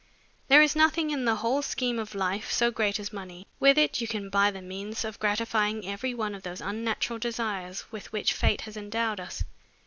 There is nothing in the whole scheme of life so great as money. With it you can buy the means of gratifying every one of those unnatural desires with which Fate has endowed us.